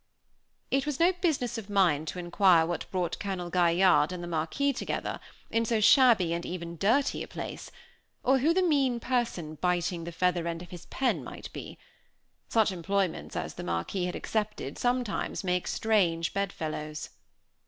It was no business of mine to inquire what brought Colonel Gaillarde and the Marquis together, in so shabby and even dirty a place, or who the mean person, biting the feather end of his pen, might be. Such employments as the Marquis had accepted sometimes make strange bed fellows.